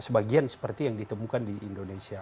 sebagian seperti yang ditemukan di indonesia